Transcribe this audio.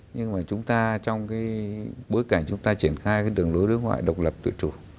nhưng mà chúng ta trong bối cảnh chúng ta triển khai đường lối đối ngoại độc lập tự chủ